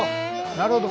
なるほど！